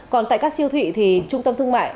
còn tại các siêu thị thì trung tâm thương mại